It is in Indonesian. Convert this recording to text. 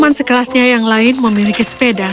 ini tuan dua kaki tidak ada sepeda